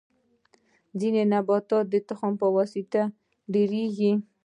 ځینې نباتات د تخم په واسطه ډیریږي